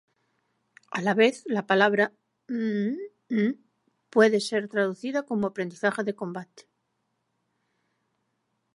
A la vez, la palabra 修斗 puede ser traducida como "aprendizaje de combate".